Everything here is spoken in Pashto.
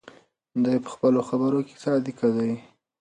دی په خپلو خبرو کې صادق دی.